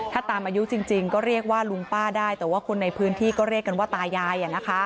ถ้าตามอายุจริงก็เรียกว่าลุงป้าได้แต่ว่าคนในพื้นที่ก็เรียกกันว่าตายาย